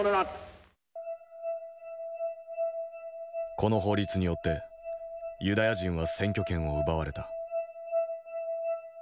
この法律によってユダヤ人は選挙権を奪われた。